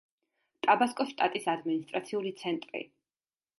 ტაბასკოს შტატის ადმინისტრაციული ცენტრი.